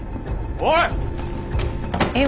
おい！